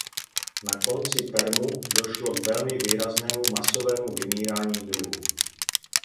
Na konci permu došlo k velmi výraznému masovému vymírání druhů.